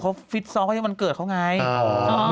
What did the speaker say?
เขาเฟ็ทซอสให้วันเกิดเขาอย่างไร